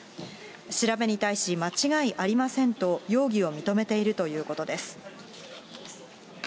調べに対し、間違いありませんと、容疑を認めているということです。